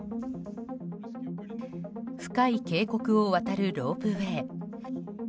深い渓谷を渡るロープウェー。